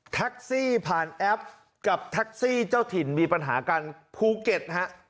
แท็กซี่ผ่านแอปกับแท็กซี่เจ้าถิ่นมีปัญหากันภูเก็ตฮะ